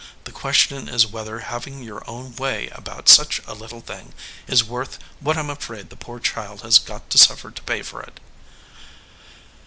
The question is whether having your own way about such a little thing is worth what I m afraid the poor child has got to suffer to pay for it."